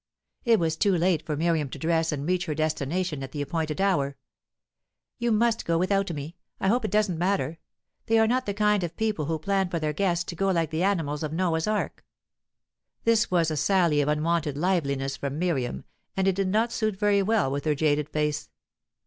It was too late for Miriam to dress and reach her destination at the appointed hour. "You must go without me. I hope it doesn't matter. They are not the kind of people who plan for their guests to go like the animals of Noah's ark." This was a sally of unwonted liveliness from Miriam, and it did not suit very well with her jaded face.